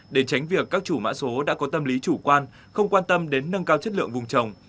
để tránh việc các chủ mã số đã có tâm lý chủ quan không quan tâm đến nâng cao chất lượng vùng trồng